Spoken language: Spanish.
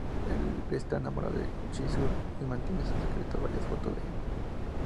Él está enamorado de Chizuru y mantiene en secreto varias fotos de ella.